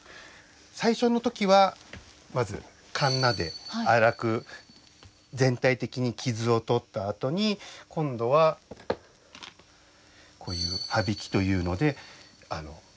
最初の時はまずかんなで粗く全体的に傷を取ったあとに今度はこういうはびきというので平らにならす。